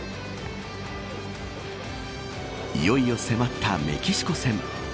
いよいよ迫ったメキシコ戦。